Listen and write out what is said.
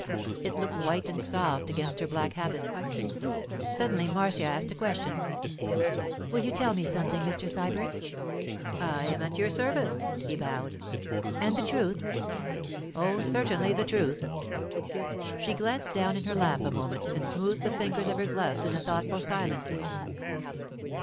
It looked white and soft against her black habit. Suddenly Marcia asked a question. 'Will you tell me something, Mr. Sybert?' 'I am at your service,' he bowed. 'And the truth?' 'Oh, certainly, the truth.' She glanced down in her lap a moment and smoothed the fingers of her gloves in a thoughtful silence.